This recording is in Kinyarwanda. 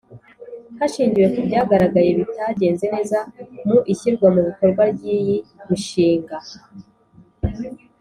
Hashingiwe ku byagaragaye bitagenze neza mu ishyirwa mu bikorwa ry iyi mishinga